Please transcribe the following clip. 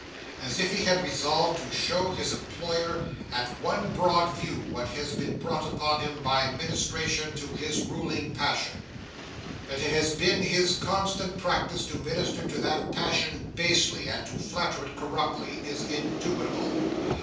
As if he had resolved to show his employer at one broad view what has been brought upon him by ministration to his ruling passion! That it has been his constant practice to minister to that passion basely, and to flatter it corruptly, is indubitable.